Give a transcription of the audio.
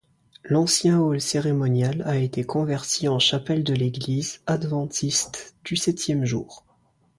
L'ancien hall cérémonial a été converti en chapelle de l'Église adventiste du septième jour.